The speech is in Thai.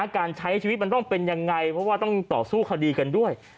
การใช้ชีวิตมันต้องเป็นยังไงเพราะว่าต้องต่อสู้คดีกันด้วย